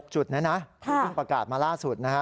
๖จุดนี่นะที่ประกาศมาล่าสุดนะคะ